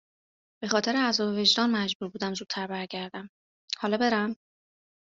به خاطر عذاب وجدان مجبور بودم زودتر برگردم. حالا برم؟